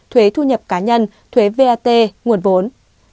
thuế thu nhập cá nhân thuế vat nguồn vốn